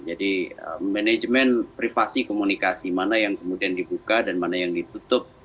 jadi manajemen privasi komunikasi mana yang kemudian dibuka dan mana yang ditutup